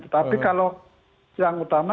tapi kalau yang utama